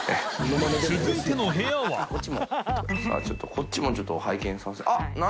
こっちもちょっと拝見させあっ何？